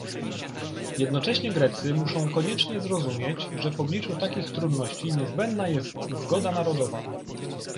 Jednocześnie Grecy muszą koniecznie zrozumieć, że w obliczu takich trudności niezbędna jest zgoda narodowa